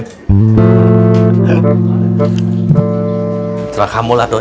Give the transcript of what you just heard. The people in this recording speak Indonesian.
setelah kamu lah doi